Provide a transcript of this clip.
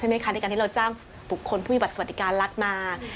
ในการที่เราจ้างบุคคลผู้มีบัตรสวัสดิการรัฐมา